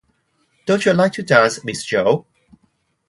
Don't you like to dance, Miss Jo?